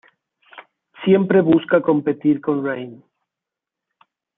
Siempre busca competir con Rain.